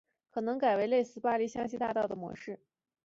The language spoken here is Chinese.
可能改为类似巴黎香榭大道的模式